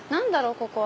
ここは。